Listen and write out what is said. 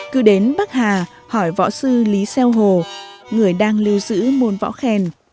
cứ đến bắc hà hỏi võ sư lý xeo hồ người đang lưu giữ môn võ khen